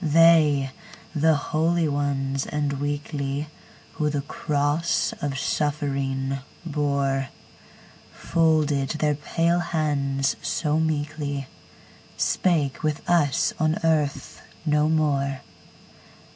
They, the holy ones and weakly, Who the cross of suffering bore, Folded their pale hands so meekly, Spake with us on earth no more!